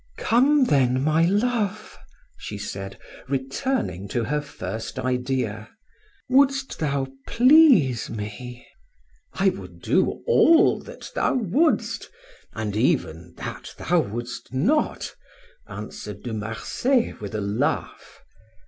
"Come, then, my love," she said, returning to her first idea, "wouldst thou please me?" "I would do all that thou wouldst, and even that thou wouldst not," answered De Marsay, with a laugh.